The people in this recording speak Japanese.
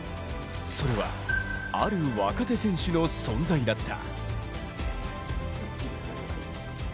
それは、ある若手選手の存在だった。